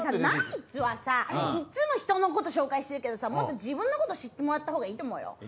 ナイツはさいつも人のこと紹介してるけどさもっと自分のこと知ってもらったほうがいいと思うよ。